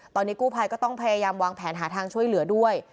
ตอนนี้กู้ภัยก็ต้องพยายามวางแผนหาทางช่วยเหลือด้วย